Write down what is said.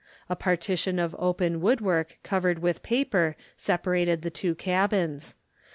A partition of open woodwork covered with paper separated the two cabins.